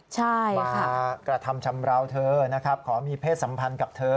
ใช่มากระทำชำราวเธอนะครับขอมีเพศสัมพันธ์กับเธอ